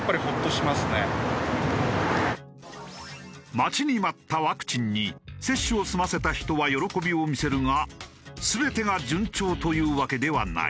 待ちに待ったワクチンに接種を済ませた人は喜びを見せるが全てが順調というわけではない。